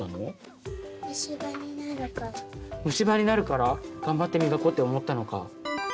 虫歯になるからがんばって磨こうって思ったのか。